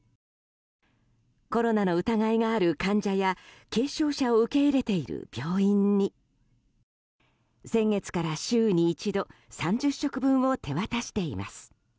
コロナの疑いがある患者や軽症者を受け入れている病院に先月から週に１度３０食分を手渡しています。